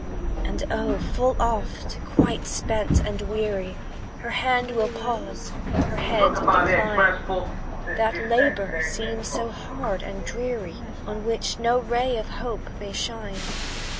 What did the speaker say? And oh! full oft, quite spent and weary, Her hand will pause, her head decline; That labour seems so hard and dreary, On which no ray of hope may shine.